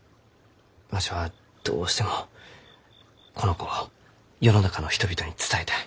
わしはどうしてもこの子を世の中の人々に伝えたい。